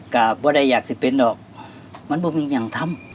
ก็ไม่ได้อยากจะเป็นหรอกมันไม่มีอย่างทำ